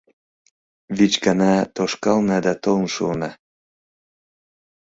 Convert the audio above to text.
Вич гана тошкална да толын шуына.